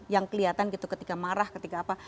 yang kelihatan gitu ketika marah ketika apa